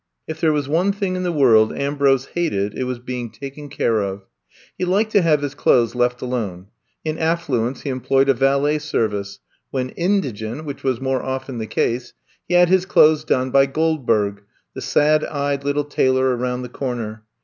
If there was one thing in the world Ambrose hated it was being taken care of. He liked to have his clothes left alone. In aflBuence he employed a valet service; when indigent, which was more often the case, he had his clothes done by Gold berg, the sad eyed little tailor around the corner.